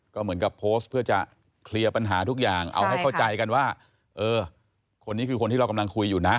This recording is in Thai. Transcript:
ก็เหมือนกับโพสต์เพื่อจะเคลียร์ปัญหาทุกอย่างเอาให้เข้าใจกันว่าเออคนนี้คือคนที่เรากำลังคุยอยู่นะ